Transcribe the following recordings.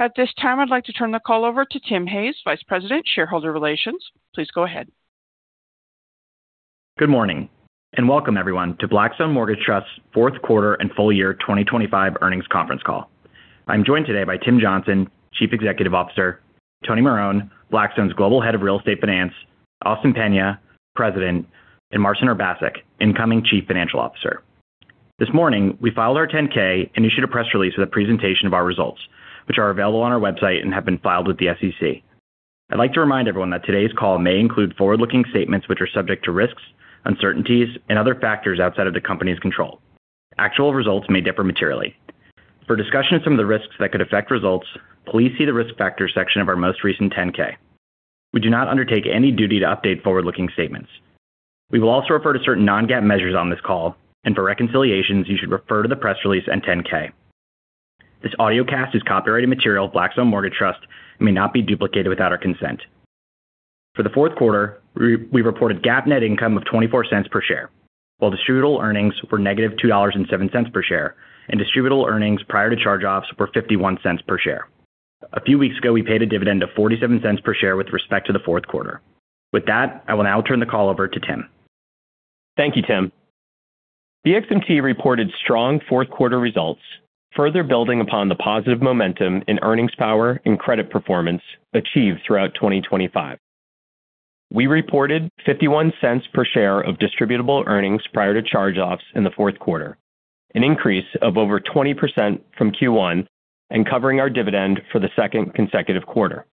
At this time, I'd like to turn the call over to Tim Hayes, Vice President, Shareholder Relations. Please go ahead. Good morning, and welcome everyone to Blackstone Mortgage Trust's fourth quarter and full year 2025 earnings conference call. I'm joined today by Tim Johnson, Chief Executive Officer; Tony Marone, Blackstone's Global Head of Real Estate Finance; Austin Peña, President; and Marcin Urbaszek, Incoming Chief Financial Officer. This morning, we filed our 10-K and issued a press release with a presentation of our results, which are available on our website and have been filed with the SEC. I'd like to remind everyone that today's call may include forward-looking statements which are subject to risks, uncertainties, and other factors outside of the company's control. Actual results may differ materially. For discussion of some of the risks that could affect results, please see the risk factors section of our most recent 10-K. We do not undertake any duty to update forward-looking statements. We will also refer to certain non-GAAP measures on this call, and for reconciliations, you should refer to the press release and 10-K. This audiocast is copyrighted material. Blackstone Mortgage Trust may not be duplicated without our consent. For the fourth quarter, we reported GAAP net income of $0.24 per share, while distributable earnings were -$2.07 per share, and distributable earnings prior to charge-offs were $0.51 per share. A few weeks ago, we paid a dividend of $0.47 per share with respect to the fourth quarter. With that, I will now turn the call over to Tim. Thank you, Tim. The BXMT reported strong fourth-quarter results, further building upon the positive momentum in earnings power and credit performance achieved throughout 2025. We reported $0.51 per share of distributable earnings prior to charge-offs in the fourth quarter, an increase of over 20% from Q1 and covering our dividend for the second consecutive quarter.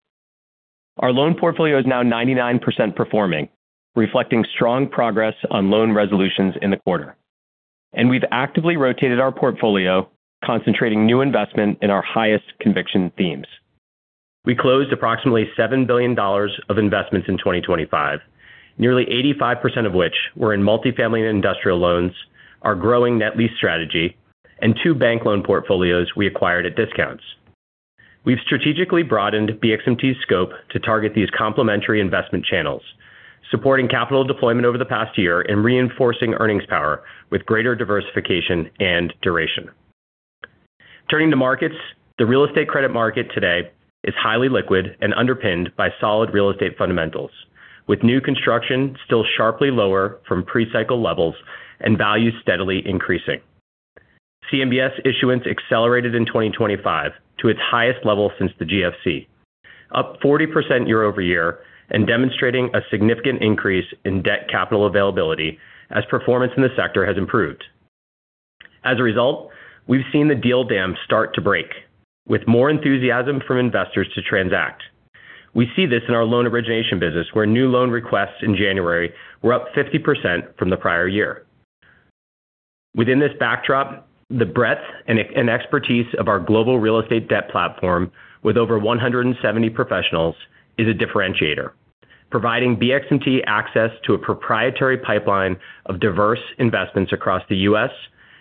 Our loan portfolio is now 99% performing, reflecting strong progress on loan resolutions in the quarter, and we've actively rotated our portfolio, concentrating new investment in our highest conviction themes. We closed approximately $7 billion of investments in 2025, nearly 85% of which were in multifamily and industrial loans, our growing net lease strategy, and two bank loan portfolios we acquired at discounts. We've strategically broadened BXMT's scope to target these complementary investment channels, supporting capital deployment over the past year and reinforcing earnings power with greater diversification and duration. Turning to markets, the real estate credit market today is highly liquid and underpinned by solid real estate fundamentals, with new construction still sharply lower from pre-cycle levels and value steadily increasing. CMBS issuance accelerated in 2025 to its highest level since the GFC, up 40% year-over-year and demonstrating a significant increase in debt capital availability as performance in the sector has improved. As a result, we've seen the deal dam start to break, with more enthusiasm from investors to transact. We see this in our loan origination business, where new loan requests in January were up 50% from the prior year. Within this backdrop, the breadth and expertise of our global real estate debt platform with over 170 professionals is a differentiator, providing BXMT access to a proprietary pipeline of diverse investments across the U.S.,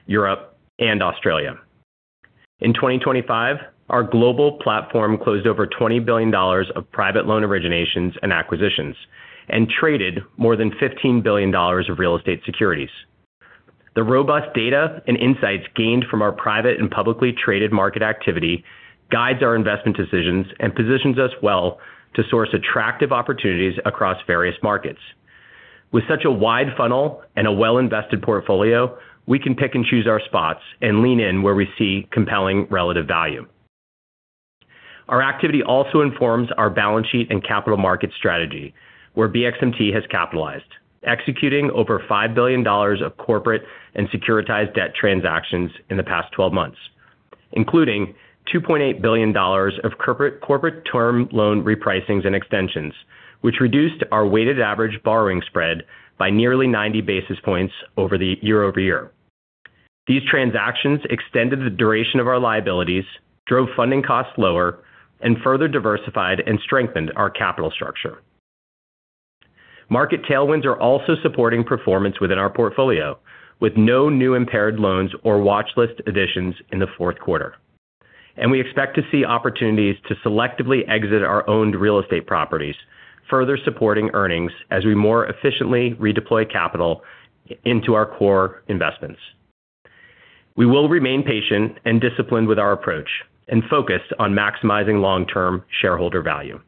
Europe, and Australia. In 2025, our global platform closed over $20 billion of private loan originations and acquisitions and traded more than $15 billion of real estate securities. The robust data and insights gained from our private and publicly traded market activity guide our investment decisions and positions us well to source attractive opportunities across various markets. With such a wide funnel and a well-invested portfolio, we can pick and choose our spots and lean in where we see compelling relative value. Our activity also informs our balance sheet and capital market strategy, where BXMT has capitalized, executing over $5 billion of corporate and securitized debt transactions in the past 12 months, including $2.8 billion of corporate term loan repricings and extensions, which reduced our weighted average borrowing spread by nearly 90 basis points year-over-year. These transactions extended the duration of our liabilities, drove funding costs lower, and further diversified and strengthened our capital structure. Market tailwinds are also supporting performance within our portfolio, with no new impaired loans or watchlist additions in the fourth quarter, and we expect to see opportunities to selectively exit our owned real estate properties, further supporting earnings as we more efficiently redeploy capital into our core investments. We will remain patient and disciplined with our approach and focused on maximizing long-term shareholder value.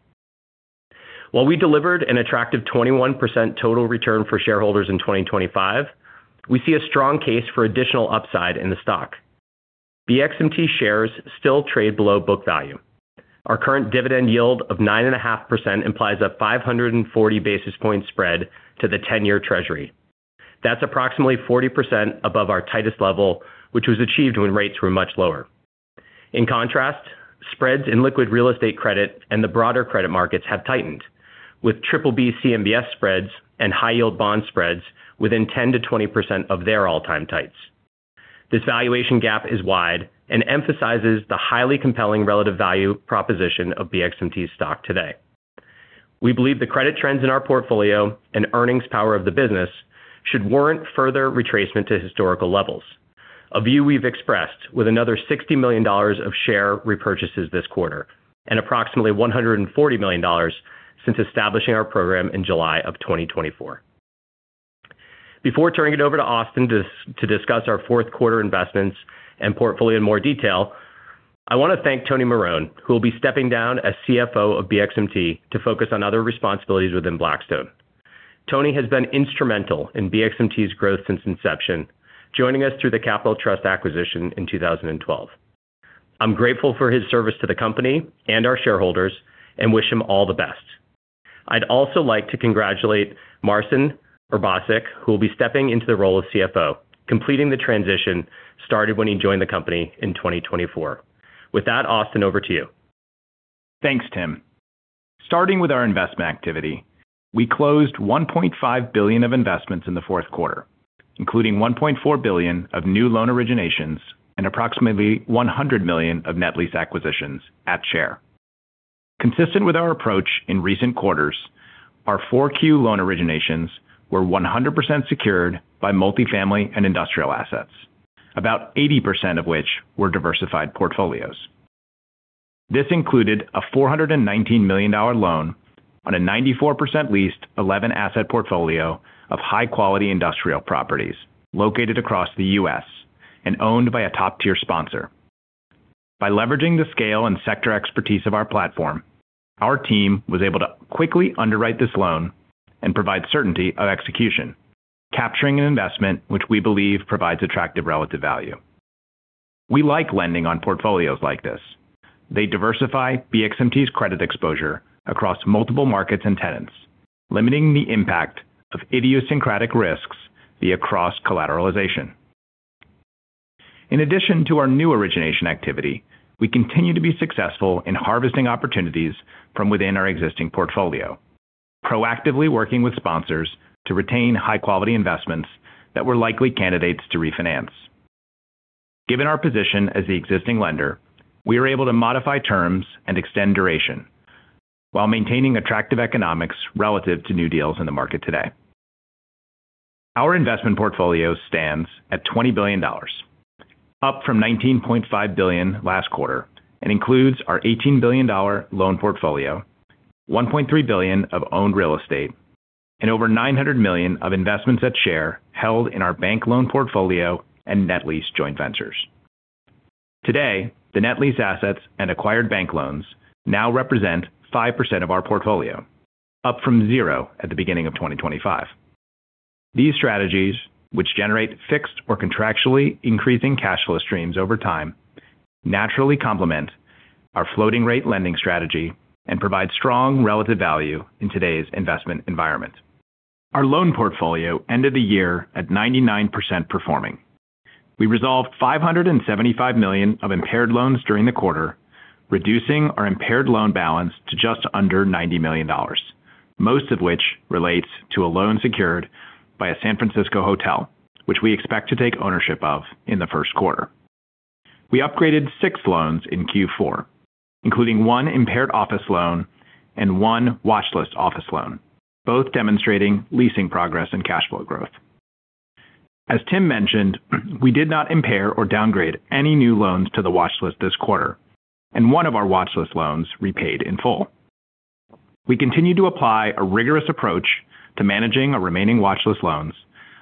While we delivered an attractive 21% total return for shareholders in 2025, we see a strong case for additional upside in the stock. BXMT shares still trade below book value. Our current dividend yield of 9.5% implies a 540 basis point spread to the 10-year Treasury. That's approximately 40% above our tightest level, which was achieved when rates were much lower. In contrast, spreads in liquid real estate credit and the broader credit markets have tightened, with BBB CMBS spreads and high-yield bond spreads within 10%-20% of their all-time tights. This valuation gap is wide and emphasizes the highly compelling relative value proposition of BXMT's stock today. We believe the credit trends in our portfolio and earnings power of the business should warrant further retracement to historical levels, a view we've expressed with another $60 million of share repurchases this quarter and approximately $140 million since establishing our program in July of 2024. Before turning it over to Austin to discuss our fourth quarter investments and portfolio in more detail, I want to thank Tony Marone, who will be stepping down as CFO of BXMT to focus on other responsibilities within Blackstone. Tony has been instrumental in BXMT's growth since inception, joining us through the Capital Trust acquisition in 2012. I'm grateful for his service to the company and our shareholders and wish him all the best. I'd also like to congratulate Marcin Urbaszek, who will be stepping into the role of CFO, completing the transition started when he joined the company in 2024. With that, Austin, over to you. Thanks, Tim. Starting with our investment activity, we closed $1.5 billion of investments in the fourth quarter, including $1.4 billion of new loan originations and approximately $100 million of net lease acquisitions at share. Consistent with our approach in recent quarters, our 4Q loan originations were 100% secured by multifamily and industrial assets, about 80% of which were diversified portfolios. This included a $419 million loan on a 94% leased 11-asset portfolio of high-quality industrial properties located across the U.S. and owned by a top-tier sponsor. By leveraging the scale and sector expertise of our platform, our team was able to quickly underwrite this loan and provide certainty of execution, capturing an investment which we believe provides attractive relative value. We like lending on portfolios like this. They diversify BXMT's credit exposure across multiple markets and tenants, limiting the impact of idiosyncratic risks via cross-collateralization. In addition to our new origination activity, we continue to be successful in harvesting opportunities from within our existing portfolio, proactively working with sponsors to retain high-quality investments that were likely candidates to refinance. Given our position as the existing lender, we are able to modify terms and extend duration while maintaining attractive economics relative to new deals in the market today. Our investment portfolio stands at $20 billion, up from $19.5 billion last quarter, and includes our $18 billion loan portfolio, $1.3 billion of owned real estate, and over $900 million of investments at share held in our bank loan portfolio and net lease joint ventures. Today, the net lease assets and acquired bank loans now represent 5% of our portfolio, up from 0 at the beginning of 2025. These strategies, which generate fixed or contractually increasing cash flow streams over time, naturally complement our floating-rate lending strategy and provide strong relative value in today's investment environment. Our loan portfolio ended the year at 99% performing. We resolved $575 million of impaired loans during the quarter, reducing our impaired loan balance to just under $90 million, most of which relates to a loan secured by a San Francisco hotel, which we expect to take ownership of in the first quarter. We upgraded six loans in Q4, including one impaired office loan and one watchlist office loan, both demonstrating leasing progress and cash flow growth. As Tim mentioned, we did not impair or downgrade any new loans to the watchlist this quarter, and one of our watchlist loans repaid in full. We continue to apply a rigorous approach to managing our remaining watchlist loans,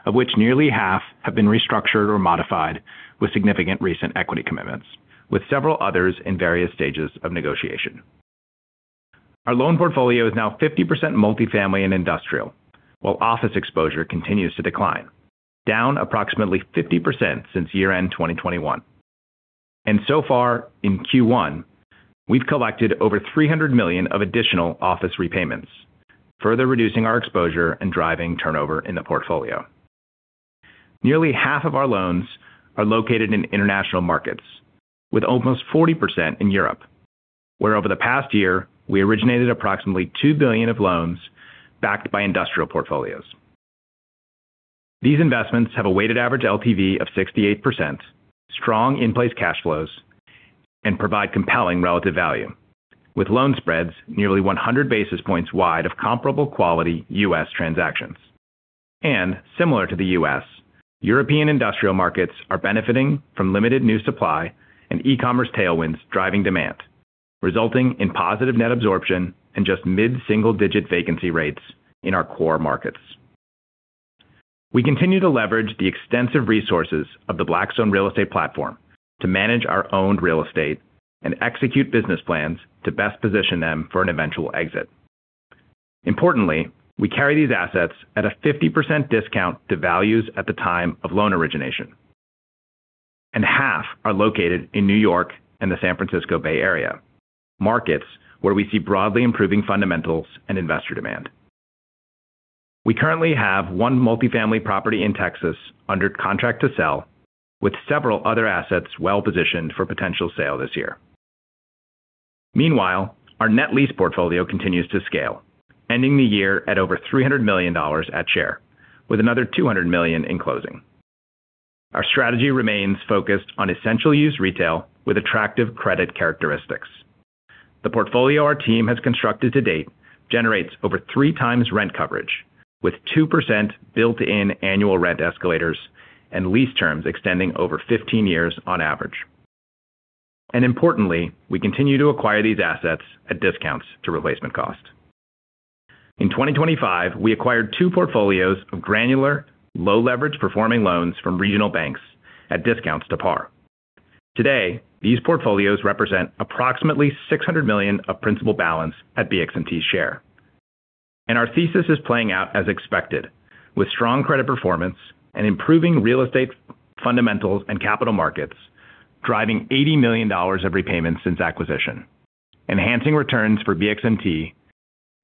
of which nearly half have been restructured or modified with significant recent equity commitments, with several others in various stages of negotiation. Our loan portfolio is now 50% multifamily and industrial, while office exposure continues to decline, down approximately 50% since year-end 2021. So far in Q1, we've collected over $300 million of additional office repayments, further reducing our exposure and driving turnover in the portfolio. Nearly half of our loans are located in international markets, with almost 40% in Europe, where over the past year, we originated approximately $2 billion of loans backed by industrial portfolios. These investments have a weighted average LTV of 68%, strong in-place cash flows, and provide compelling relative value, with loan spreads nearly 100 basis points wide of comparable quality U.S. transactions. Similar to the U.S., European industrial markets are benefiting from limited new supply and e-commerce tailwinds driving demand, resulting in positive net absorption and just mid-single-digit vacancy rates in our core markets. We continue to leverage the extensive resources of the Blackstone Real Estate platform to manage our owned real estate and execute business plans to best position them for an eventual exit. Importantly, we carry these assets at a 50% discount to values at the time of loan origination, and half are located in New York and the San Francisco Bay Area, markets where we see broadly improving fundamentals and investor demand. We currently have one multifamily property in Texas under contract to sell, with several other assets well-positioned for potential sale this year. Meanwhile, our net lease portfolio continues to scale, ending the year at over $300 million at share, with another $200 million in closing. Our strategy remains focused on essential-use retail with attractive credit characteristics. The portfolio our team has constructed to date generates over three times rent coverage, with 2% built-in annual rent escalators and lease terms extending over 15 years on average. Importantly, we continue to acquire these assets at discounts to replacement cost. In 2025, we acquired two portfolios of granular, low-leverage performing loans from regional banks at discounts to par. Today, these portfolios represent approximately $600 million of principal balance at BXMT's share. Our thesis is playing out as expected, with strong credit performance and improving real estate fundamentals and capital markets driving $80 million of repayments since acquisition, enhancing returns for BXMT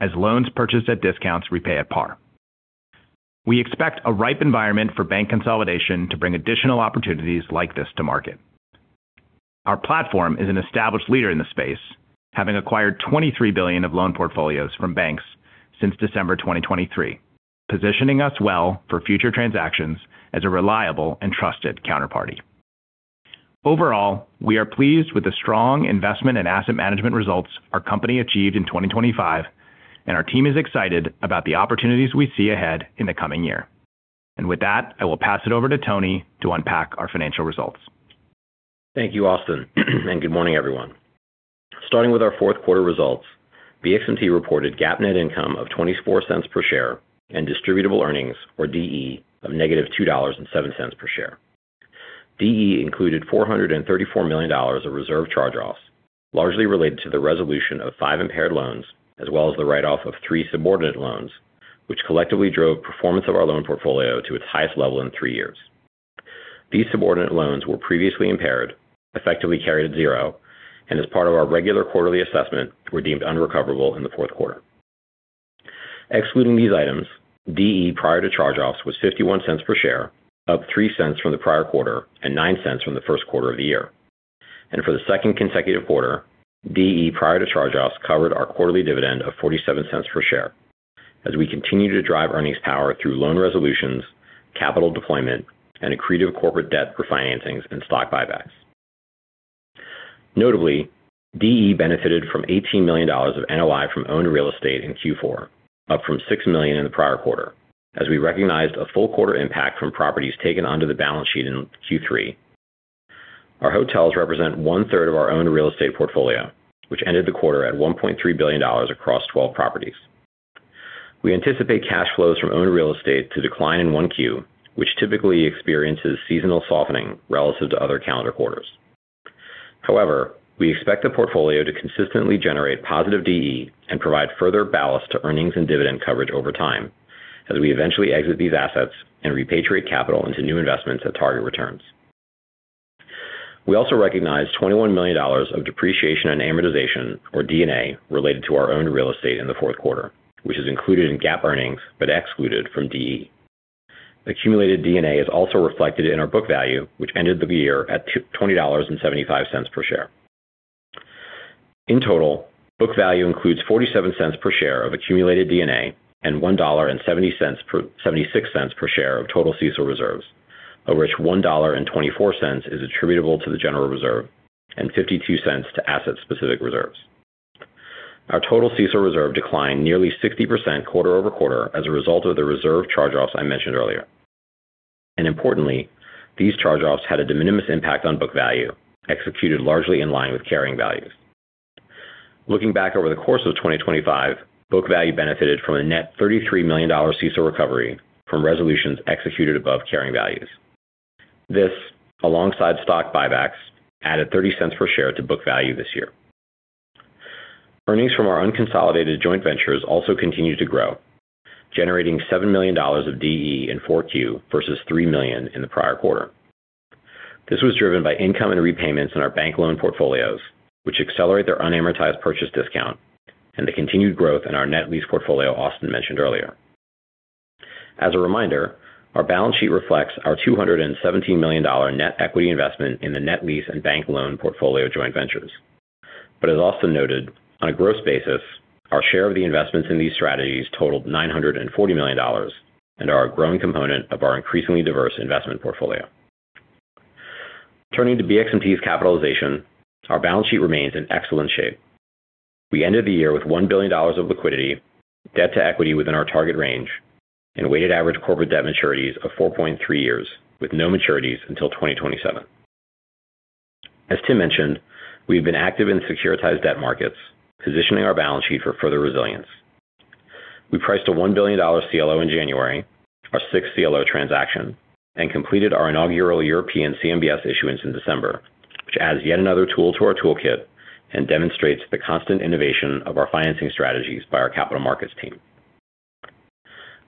as loans purchased at discounts repay at par. We expect a ripe environment for bank consolidation to bring additional opportunities like this to market. Our platform is an established leader in the space, having acquired $23 billion of loan portfolios from banks since December 2023, positioning us well for future transactions as a reliable and trusted counterparty. Overall, we are pleased with the strong investment and asset management results our company achieved in 2025, and our team is excited about the opportunities we see ahead in the coming year. With that, I will pass it over to Tony to unpack our financial results. Thank you, Austin, and good morning, everyone. Starting with our fourth quarter results, BXMT reported GAAP net income of $0.24 per share and distributable earnings, or DE, of -$2.07 per share. DE included $434 million of reserve charge-offs, largely related to the resolution of five impaired loans as well as the write-off of three subordinate loans, which collectively drove performance of our loan portfolio to its highest level in three years. These subordinate loans were previously impaired, effectively carried at zero, and as part of our regular quarterly assessment, were deemed unrecoverable in the fourth quarter. Excluding these items, DE prior to charge-offs was $0.51 per share, up $0.03 from the prior quarter and $0.09 from the first quarter of the year. For the second consecutive quarter, DE prior to charge-offs covered our quarterly dividend of $0.47 per share, as we continue to drive earnings power through loan resolutions, capital deployment, and accretive corporate debt refinancings and stock buybacks. Notably, DE benefited from $18 million of NOI from owned real estate in Q4, up from $6 million in the prior quarter, as we recognized a full quarter impact from properties taken under the balance sheet in Q3. Our hotels represent one-third of our owned real estate portfolio, which ended the quarter at $1.3 billion across 12 properties. We anticipate cash flows from owned real estate to decline in 1Q, which typically experiences seasonal softening relative to other calendar quarters. However, we expect the portfolio to consistently generate positive DE and provide further ballast to earnings and dividend coverage over time, as we eventually exit these assets and repatriate capital into new investments at target returns. We also recognize $21 million of depreciation and amortization, or D&A, related to our owned real estate in the fourth quarter, which is included in GAAP earnings but excluded from DE. Accumulated D&A is also reflected in our book value, which ended the year at $20.75 per share. In total, book value includes $0.47 per share of accumulated D&A and $1.76 per share of total CECL reserves, of which $1.24 is attributable to the general reserve and $0.52 to asset-specific reserves. Our total CECL reserve declined nearly 60% quarter-over-quarter as a result of the reserve charge-offs I mentioned earlier. Importantly, these charge-offs had a de minimis impact on book value, executed largely in line with carrying values. Looking back over the course of 2025, book value benefited from a net $33 million CECL recovery from resolutions executed above carrying values. This, alongside stock buybacks, added $0.30 per share to book value this year. Earnings from our unconsolidated joint ventures also continued to grow, generating $7 million of DE in 4Q versus $3 million in the prior quarter. This was driven by income and repayments in our bank loan portfolios, which accelerate their unamortized purchase discount, and the continued growth in our net lease portfolio Austin mentioned earlier. As a reminder, our balance sheet reflects our $217 million net equity investment in the net lease and bank loan portfolio joint ventures. But as Austin noted, on a gross basis, our share of the investments in these strategies totaled $940 million and are a growing component of our increasingly diverse investment portfolio. Turning to BXMT's capitalization, our balance sheet remains in excellent shape. We ended the year with $1 billion of liquidity, debt to equity within our target range, and weighted average corporate debt maturities of 4.3 years with no maturities until 2027. As Tim mentioned, we've been active in securitized debt markets, positioning our balance sheet for further resilience. We priced a $1 billion CLO in January, our sixth CLO transaction, and completed our inaugural European CMBS issuance in December, which adds yet another tool to our toolkit and demonstrates the constant innovation of our financing strategies by our capital markets team.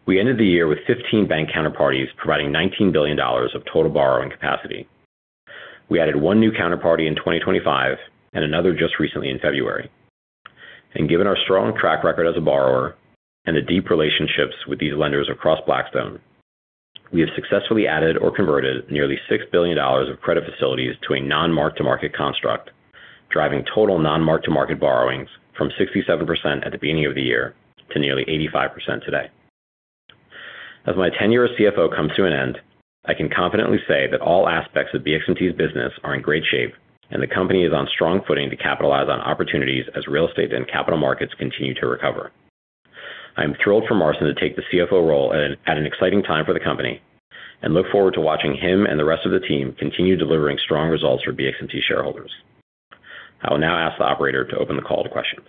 We ended the year with 15 bank counterparties providing $19 billion of total borrowing capacity. We added one new counterparty in 2025 and another just recently in February. Given our strong track record as a borrower and the deep relationships with these lenders across Blackstone, we have successfully added or converted nearly $6 billion of credit facilities to a non-mark-to-market construct, driving total non-mark-to-market borrowings from 67% at the beginning of the year to nearly 85% today. As my tenure as CFO comes to an end, I can confidently say that all aspects of BXMT's business are in great shape, and the company is on strong footing to capitalize on opportunities as real estate and capital markets continue to recover. I am thrilled for Marcin to take the CFO role at an exciting time for the company and look forward to watching him and the rest of the team continue delivering strong results for BXMT shareholders. I will now ask the operator to open the call to questions.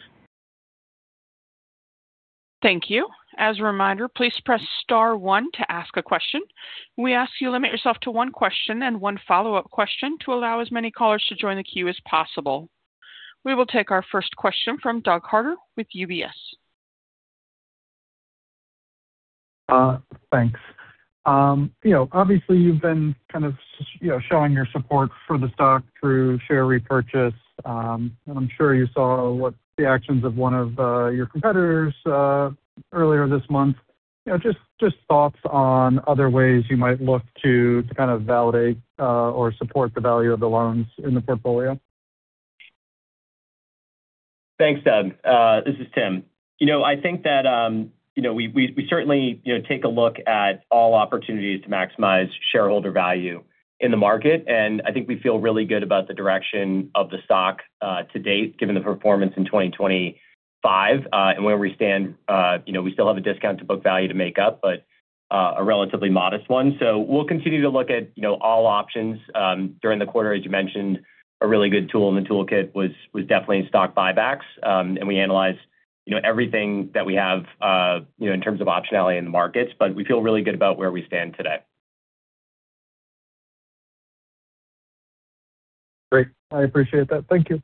Thank you. As a reminder, please press star one to ask a question. We ask you to limit yourself to one question and one follow-up question to allow as many callers to join the queue as possible. We will take our first question from Doug Harter with UBS. Thanks. Obviously, you've been kind of showing your support for the stock through share repurchase, and I'm sure you saw the actions of one of your competitors earlier this month. Just thoughts on other ways you might look to kind of validate or support the value of the loans in the portfolio? Thanks, Doug. This is Tim. I think that we certainly take a look at all opportunities to maximize shareholder value in the market, and I think we feel really good about the direction of the stock to date given the performance in 2025. And where we stand, we still have a discount to book value to make up, but a relatively modest one. So we'll continue to look at all options during the quarter, as you mentioned. A really good tool in the toolkit was definitely stock buybacks, and we analyze everything that we have in terms of optionality in the markets, but we feel really good about where we stand today. Great. I appreciate that. Thank you.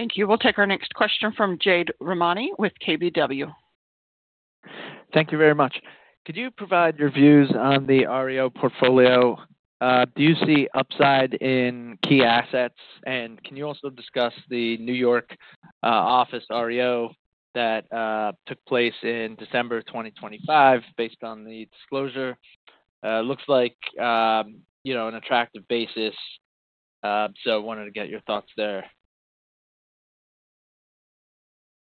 Thank you. We'll take our next question from Jade Rahmani with KBW. Thank you very much. Could you provide your views on the REO portfolio? Do you see upside in key assets? Can you also discuss the New York office REO that took place in December 2025 based on the disclosure? Looks like an attractive basis, so wanted to get your thoughts there.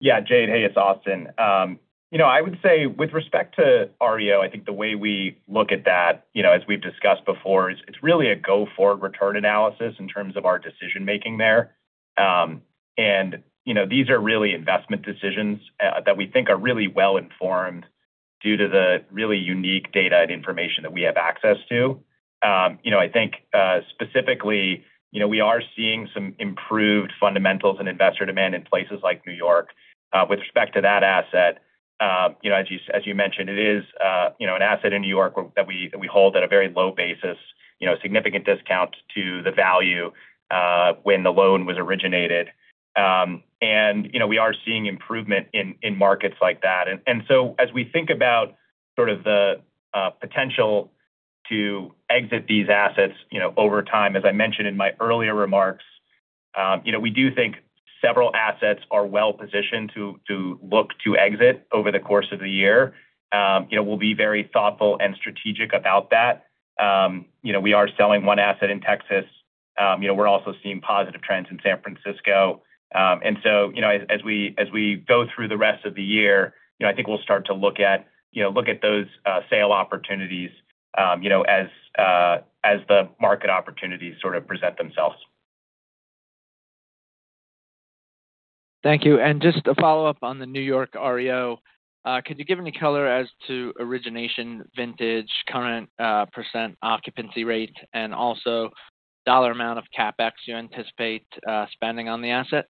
Yeah, Jade, hey, it's Austin. I would say with respect to REO, I think the way we look at that, as we've discussed before, is it's really a go-forward return analysis in terms of our decision-making there. And these are really investment decisions that we think are really well-informed due to the really unique data and information that we have access to. I think specifically, we are seeing some improved fundamentals and investor demand in places like New York. With respect to that asset, as you mentioned, it is an asset in New York that we hold at a very low basis, significant discount to the value when the loan was originated. And we are seeing improvement in markets like that. And so as we think about sort of the potential to exit these assets over time, as I mentioned in my earlier remarks, we do think several assets are well-positioned to look to exit over the course of the year. We'll be very thoughtful and strategic about that. We are selling one asset in Texas. We're also seeing positive trends in San Francisco. And so as we go through the rest of the year, I think we'll start to look at those sale opportunities as the market opportunities sort of present themselves. Thank you. Just a follow-up on the New York REO, could you give any color as to origination, vintage, current percent occupancy rate, and also dollar amount of CapEx you anticipate spending on the asset?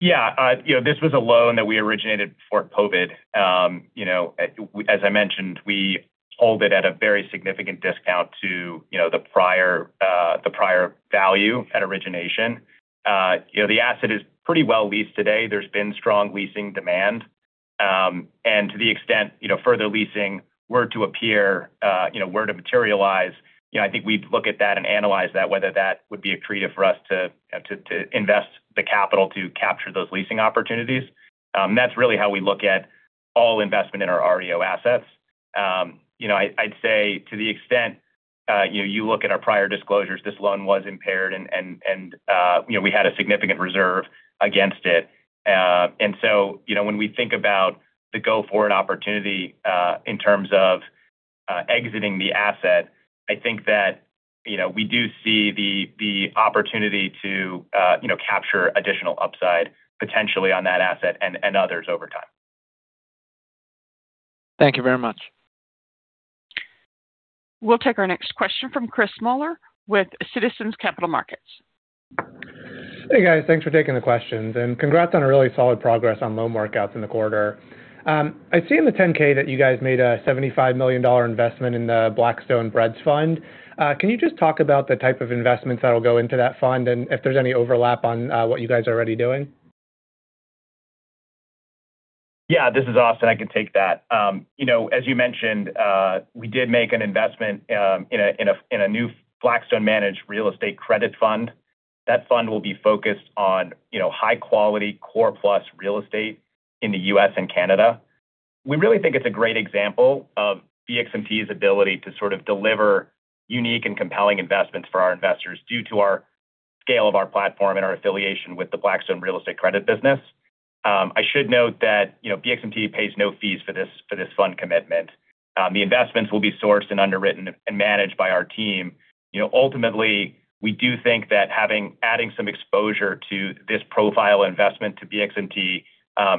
Yeah. This was a loan that we originated before COVID. As I mentioned, we hold it at a very significant discount to the prior value at origination. The asset is pretty well leased today. There's been strong leasing demand. And to the extent further leasing were to appear, were to materialize, I think we'd look at that and analyze that, whether that would be accretive for us to invest the capital to capture those leasing opportunities. That's really how we look at all investment in our REO assets. I'd say to the extent you look at our prior disclosures, this loan was impaired, and we had a significant reserve against it. And so when we think about the go-forward opportunity in terms of exiting the asset, I think that we do see the opportunity to capture additional upside potentially on that asset and others over time. Thank you very much. We'll take our next question from Chris Muller with Citizens Capital Markets. Hey, guys. Thanks for taking the questions. Congrats on a really solid progress on loan workouts in the quarter. I see in the 10-K that you guys made a $75 million investment in the Blackstone BREDS Fund. Can you just talk about the type of investments that will go into that fund and if there's any overlap on what you guys are already doing? Yeah, this is Austin. I can take that. As you mentioned, we did make an investment in a new Blackstone-managed real estate credit fund. That fund will be focused on high-quality core-plus real estate in the U.S. and Canada. We really think it's a great example of BXMT's ability to sort of deliver unique and compelling investments for our investors due to the scale of our platform and our affiliation with the Blackstone Real Estate Credit business. I should note that BXMT pays no fees for this fund commitment. The investments will be sourced and underwritten and managed by our team. Ultimately, we do think that adding some exposure to this profile of investment to BXMT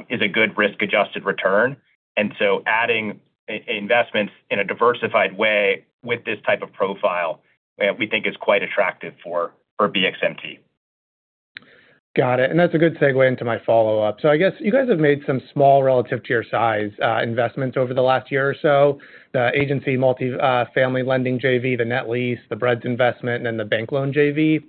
is a good risk-adjusted return. And so adding investments in a diversified way with this type of profile, we think, is quite attractive for BXMT. Got it. And that's a good segue into my follow-up. So I guess you guys have made some small, relative to your size, investments over the last year or so: the agency multifamily lending JV, the net lease, the BREDS investment, and then the bank loan JV.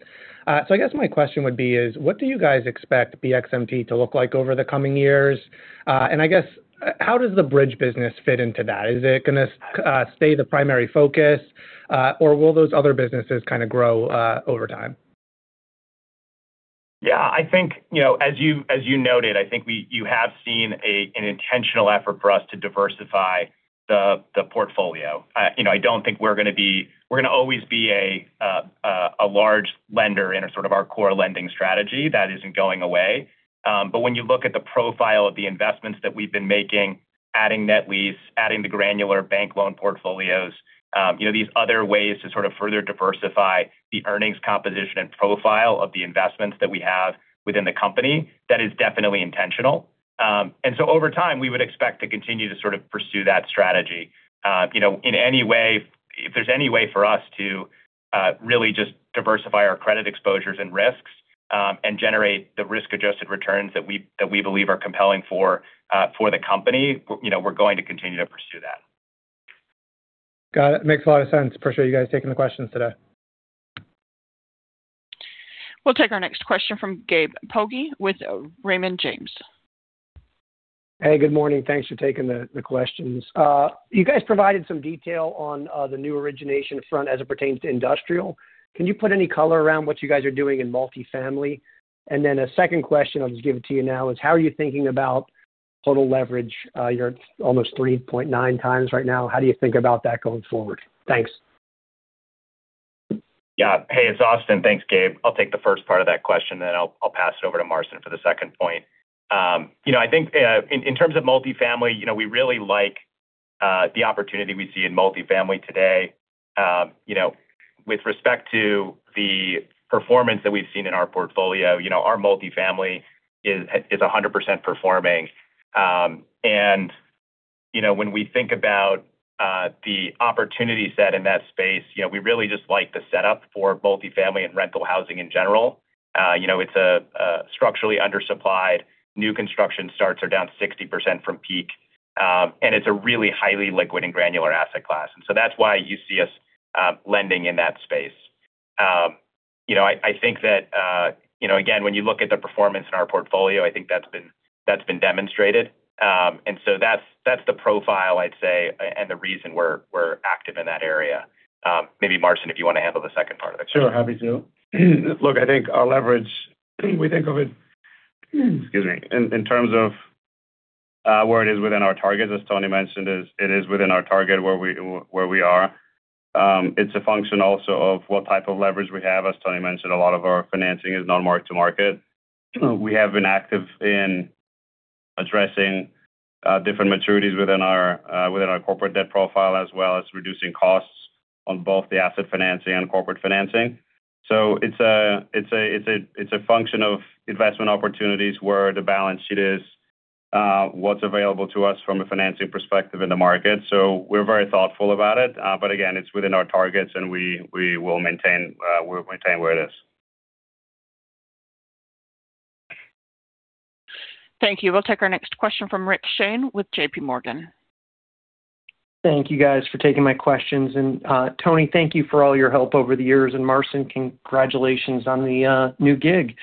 So I guess my question would be, what do you guys expect BXMT to look like over the coming years? And I guess how does the bridge business fit into that? Is it going to stay the primary focus, or will those other businesses kind of grow over time? Yeah. I think as you noted, I think you have seen an intentional effort for us to diversify the portfolio. I don't think we're going to always be a large lender in sort of our core lending strategy. That isn't going away. But when you look at the profile of the investments that we've been making, adding Net Lease, adding the granular bank loan portfolios, these other ways to sort of further diversify the earnings composition and profile of the investments that we have within the company, that is definitely intentional. And so over time, we would expect to continue to sort of pursue that strategy. In any way, if there's any way for us to really just diversify our credit exposures and risks and generate the risk-adjusted returns that we believe are compelling for the company, we're going to continue to pursue that. Got it. Makes a lot of sense. Appreciate you guys taking the questions today. We'll take our next question from Gabe Poggi with Raymond James. Hey, good morning. Thanks for taking the questions. You guys provided some detail on the new origination front as it pertains to industrial. Can you put any color around what you guys are doing in multifamily? And then a second question, I'll just give it to you now, is how are you thinking about total leverage? You're almost 3.9x right now. How do you think about that going forward? Thanks. Yeah. Hey, it's Austin. Thanks, Gabe. I'll take the first part of that question, then I'll pass it over to Marcin for the second point. I think in terms of multifamily, we really like the opportunity we see in multifamily today. With respect to the performance that we've seen in our portfolio, our multifamily is 100% performing. And when we think about the opportunity set in that space, we really just like the setup for multifamily and rental housing in general. It's a structurally undersupplied. New construction starts are down 60% from peak. And it's a really highly liquid and granular asset class. And so that's why you see us lending in that space. I think that, again, when you look at the performance in our portfolio, I think that's been demonstrated. And so that's the profile, I'd say, and the reason we're active in that area. Maybe, Marcin, if you want to handle the second part of the question. Sure. Happy to. Look, I think our leverage, we think of it, excuse me, in terms of where it is within our targets, as Tony mentioned, it is within our target where we are. It's a function also of what type of leverage we have. As Tony mentioned, a lot of our financing is non-mark-to-market. We have been active in addressing different maturities within our corporate debt profile as well as reducing costs on both the asset financing and corporate financing. So it's a function of investment opportunities, where the balance sheet is, what's available to us from a financing perspective in the market. So we're very thoughtful about it. But again, it's within our targets, and we will maintain where it is. Thank you. We'll take our next question from Rick Shane with J.P. Morgan. Thank you, guys, for taking my questions. Tony, thank you for all your help over the years. Marcin, congratulations on the new gig.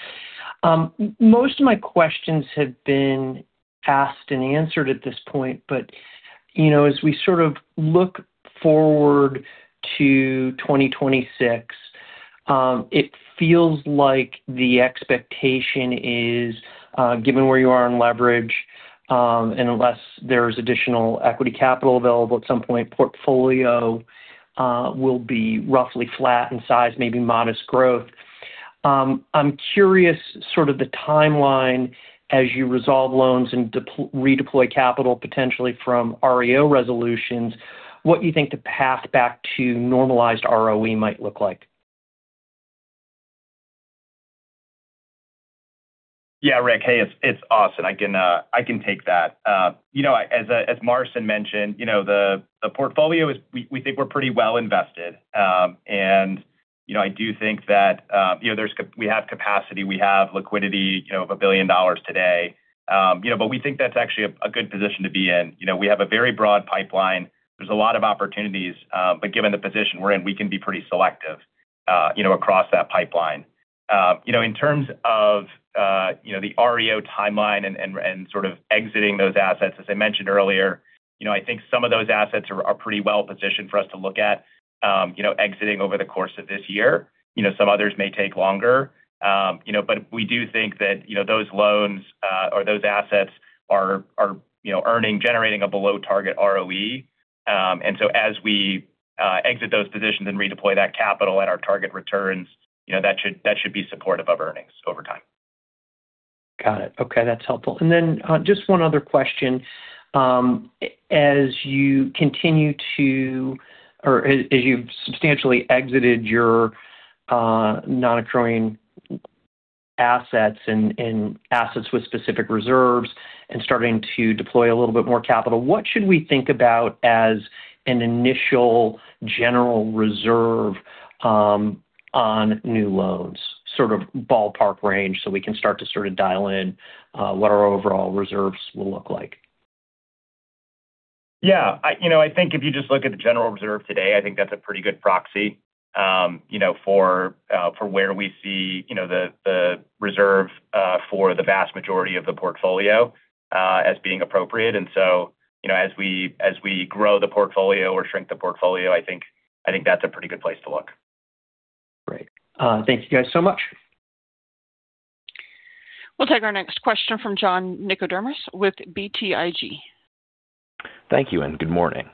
Most of my questions have been asked and answered at this point. As we sort of look forward to 2026, it feels like the expectation is, given where you are in leverage, and unless there's additional equity capital available at some point, portfolio will be roughly flat in size, maybe modest growth. I'm curious sort of the timeline as you resolve loans and redeploy capital, potentially from REO resolutions, what you think the path back to normalized ROE might look like? Yeah, Rick, hey, it's Austin. I can take that. As Marcin mentioned, the portfolio, we think we're pretty well invested. And I do think that we have capacity. We have liquidity of $1 billion today. But we think that's actually a good position to be in. We have a very broad pipeline. There's a lot of opportunities. But given the position we're in, we can be pretty selective across that pipeline. In terms of the REO timeline and sort of exiting those assets, as I mentioned earlier, I think some of those assets are pretty well positioned for us to look at exiting over the course of this year. Some others may take longer. But we do think that those loans or those assets are generating a below-target ROE. As we exit those positions and redeploy that capital at our target returns, that should be supportive of earnings over time. Got it. Okay. That's helpful. Then just one other question. As you continue to or as you've substantially exited your non-accruing assets and assets with specific reserves and starting to deploy a little bit more capital, what should we think about as an initial general reserve on new loans, sort of ballpark range, so we can start to sort of dial in what our overall reserves will look like? Yeah. I think if you just look at the general reserve today, I think that's a pretty good proxy for where we see the reserve for the vast majority of the portfolio as being appropriate. And so as we grow the portfolio or shrink the portfolio, I think that's a pretty good place to look. Great. Thank you, guys, so much. We'll take our next question from John Nickodemus with BTIG. Thank you, and good morning.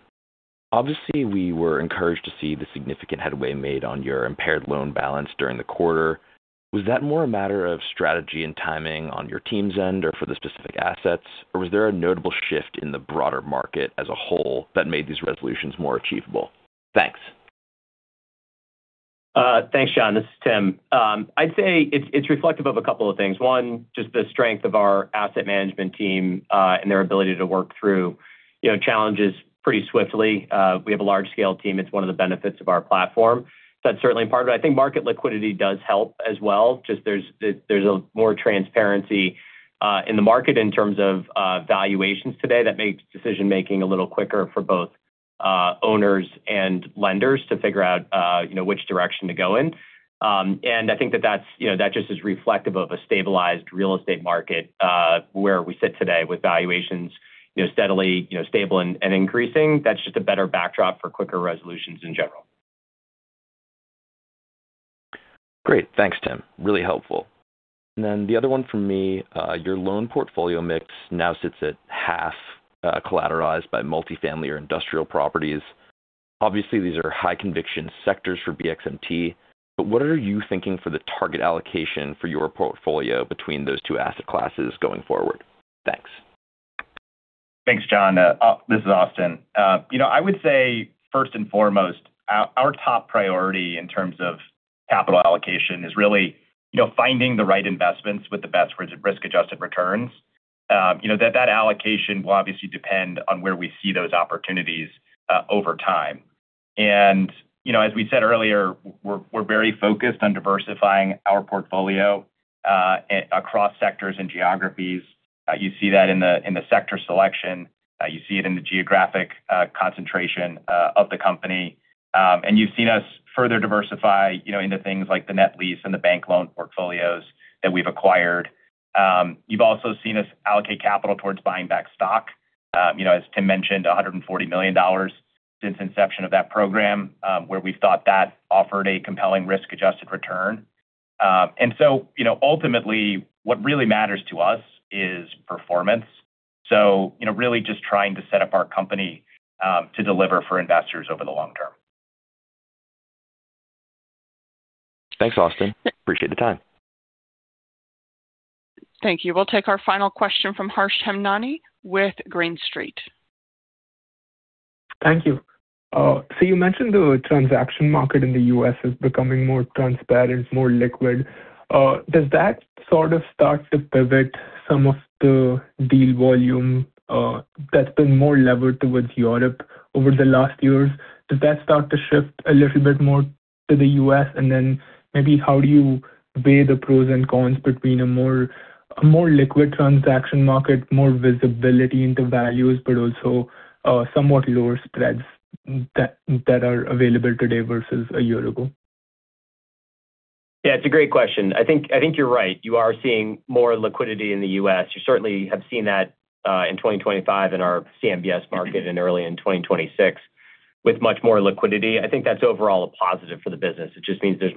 Obviously, we were encouraged to see the significant headway made on your impaired loan balance during the quarter. Was that more a matter of strategy and timing on your team's end or for the specific assets? Or was there a notable shift in the broader market as a whole that made these resolutions more achievable? Thanks. Thanks, John. This is Tim. I'd say it's reflective of a couple of things. One, just the strength of our asset management team and their ability to work through challenges pretty swiftly. We have a large-scale team. It's one of the benefits of our platform. That's certainly part of it. I think market liquidity does help as well. Just, there's more transparency in the market in terms of valuations today that makes decision-making a little quicker for both owners and lenders to figure out which direction to go in. And I think that that just is reflective of a stabilized real estate market where we sit today with valuations steadily stable and increasing. That's just a better backdrop for quicker resolutions in general. Great. Thanks, Tim. Really helpful. And then the other one from me, your loan portfolio mix now sits at half collateralized by multifamily or industrial properties. Obviously, these are high-conviction sectors for BXMT. But what are you thinking for the target allocation for your portfolio between those two asset classes going forward? Thanks. Thanks, John. This is Austin. I would say, first and foremost, our top priority in terms of capital allocation is really finding the right investments with the best risk-adjusted returns. That allocation will obviously depend on where we see those opportunities over time. And as we said earlier, we're very focused on diversifying our portfolio across sectors and geographies. You see that in the sector selection. You see it in the geographic concentration of the company. And you've seen us further diversify into things like the net lease and the bank loan portfolios that we've acquired. You've also seen us allocate capital towards buying back stock. As Tim mentioned, $140 million since inception of that program, where we've thought that offered a compelling risk-adjusted return. And so ultimately, what really matters to us is performance. Really just trying to set up our company to deliver for investors over the long term. Thanks, Austin. Appreciate the time. Thank you. We'll take our final question from Harsh Hemnani with Green Street. Thank you. So you mentioned the transaction market in the U.S. is becoming more transparent, more liquid. Does that sort of start to pivot some of the deal volume that's been more levered towards Europe over the last years? Does that start to shift a little bit more to the U.S.? And then maybe how do you weigh the pros and cons between a more liquid transaction market, more visibility into values, but also somewhat lower spreads that are available today versus a year ago? Yeah. It's a great question. I think you're right. You are seeing more liquidity in the U.S. You certainly have seen that in 2025 in our CMBS market and early in 2026 with much more liquidity. I think that's overall a positive for the business. It just means there's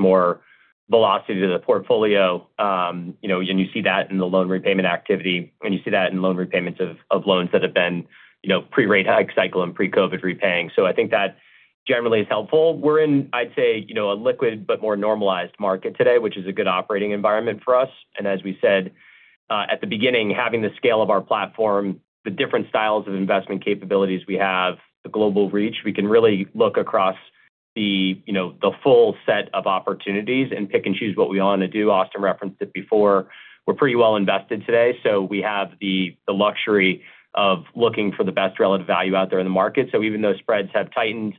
more velocity to the portfolio. And you see that in the loan repayment activity. And you see that in loan repayments of loans that have been pre-rate hike cycle and pre-COVID repaying. So I think that generally is helpful. We're in, I'd say, a liquid but more normalized market today, which is a good operating environment for us. And as we said at the beginning, having the scale of our platform, the different styles of investment capabilities we have, the global reach, we can really look across the full set of opportunities and pick and choose what we want to do. Austin referenced it before. We're pretty well invested today. So we have the luxury of looking for the best relative value out there in the market. So even though spreads have tightened,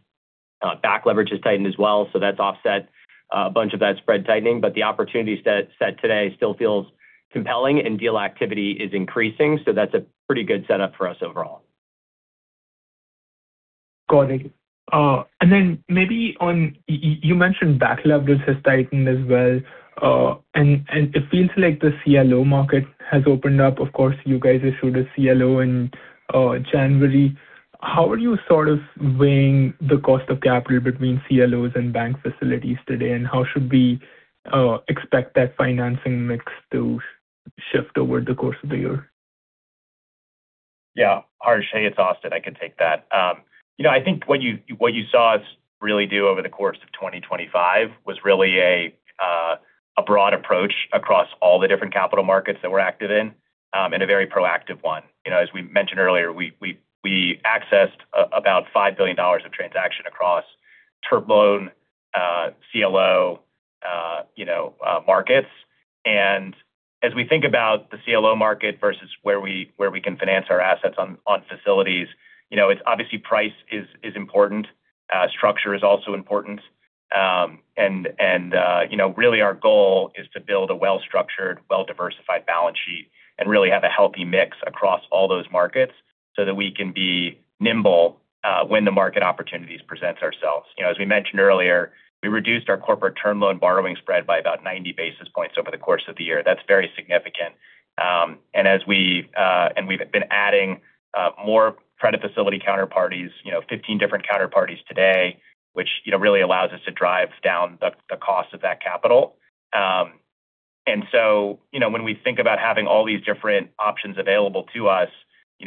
back leverage has tightened as well. So that's offset a bunch of that spread tightening. But the opportunities set today still feels compelling, and deal activity is increasing. So that's a pretty good setup for us overall. Got it. And then maybe on you mentioned back leverage has tightened as well. And it feels like the CLO market has opened up. Of course, you guys issued a CLO in January. How are you sort of weighing the cost of capital between CLOs and bank facilities today? And how should we expect that financing mix to shift over the course of the year? Yeah. Harsh, hey, it's Austin. I can take that. I think what you saw us really do over the course of 2025 was really a broad approach across all the different capital markets that we're active in and a very proactive one. As we mentioned earlier, we accessed about $5 billion of transactions across term loan, CLO markets. And as we think about the CLO market versus where we can finance our assets on facilities, obviously, price is important. Structure is also important. And really, our goal is to build a well-structured, well-diversified balance sheet and really have a healthy mix across all those markets so that we can be nimble when the market opportunities present ourselves. As we mentioned earlier, we reduced our corporate term loan borrowing spread by about 90 basis points over the course of the year. That's very significant. We've been adding more credit facility counterparties, 15 different counterparties today, which really allows us to drive down the cost of that capital. When we think about having all these different options available to us,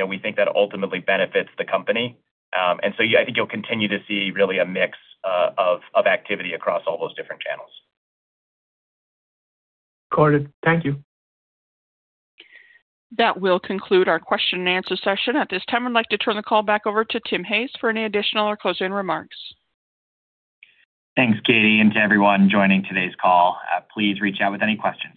we think that ultimately benefits the company. I think you'll continue to see really a mix of activity across all those different channels. Got it. Thank you. That will conclude our question and answer session. At this time, I'd like to turn the call back over to Tim Hayes for any additional or closing remarks. Thanks, Katie, and to everyone joining today's call. Please reach out with any questions.